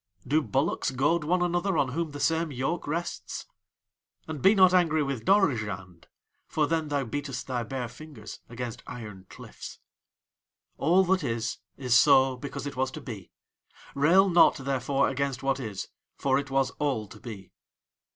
Do bullocks goad one another on whom the same yoke rests? "And be not angry with Dorozhand, for then thou beatest thy bare fingers against iron cliffs. "All that is is so because it was to be. Rail not, therefore, against what is, for it was all to be."